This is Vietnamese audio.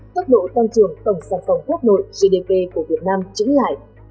tốc độ tăng trường tổng sản phẩm quốc nội gdp của việt nam chứng lại